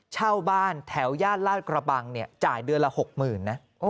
เช่าบ้านแถวย่านลาดกระบังจ่ายเดือนละ๖๐๐๐นะ